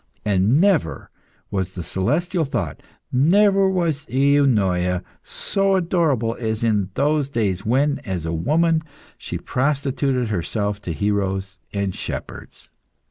And never was the celestial thought, never was Eunoia, so adorable as in those days when, as a woman, she prostituted herself to heroes and shepherds.